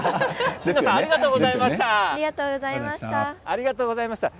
椎名さんありがとうございました。